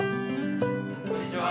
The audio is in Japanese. こんにちは。